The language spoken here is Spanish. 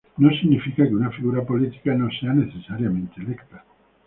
No significa que una figura política no sea necesariamente electa.